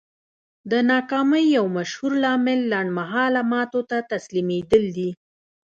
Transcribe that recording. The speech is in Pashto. د ناکامۍ يو مشهور لامل لنډ مهاله ماتو ته تسليمېدل دي.